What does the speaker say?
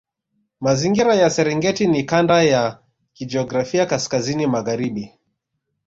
Mazingira ya Serengeti ni kanda ya kijiografia kaskazini magharibi